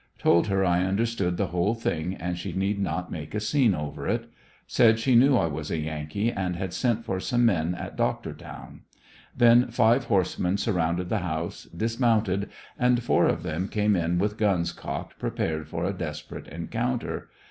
Told her I understood the whole thing and she need not make a scene over it. Said she knew I was a yankee and had sent for some men at Doctortown. Then five horsemen surrounded the house, dismounted and four of them came in with guns cocked prepared for a desperate encounter.